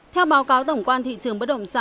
theo báo cáo tổng quan thị trường bất động sản